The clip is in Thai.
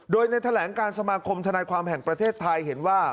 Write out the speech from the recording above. โดยในแถลงการสมาคมธนายความแห่งประเทศไทยเห็นว่า